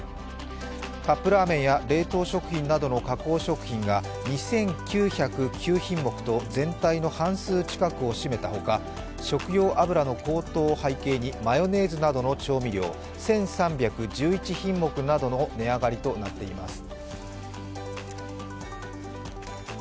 カップラーメンや冷凍食品などの加工食品が２９０９品目と全体の半数近くを占めたほか、食用油の高騰を背景にマヨネーズなどの調味料、１３１１品目などの値上がりとなっています。